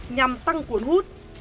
nhằm tăng cuốn hút